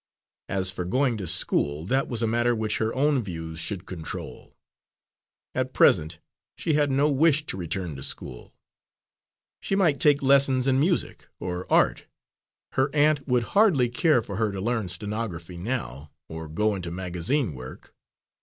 As for going to school, that was a matter which her own views should control; at present she had no wish to return to school. She might take lessons in music, or art; her aunt would hardly care for her to learn stenography now, or go into magazine work.